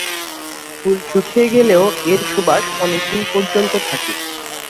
ফুল শুকিয়ে গেলেও এর সুবাস অনেক দিন পর্যন্ত থাকে।